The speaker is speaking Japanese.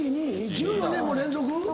１４年も連続？